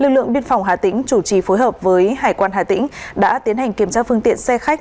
lực lượng biên phòng hà tĩnh chủ trì phối hợp với hải quan hà tĩnh đã tiến hành kiểm tra phương tiện xe khách